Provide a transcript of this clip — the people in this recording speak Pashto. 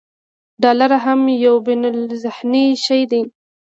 ډالر هم یو بینالذهني شی دی.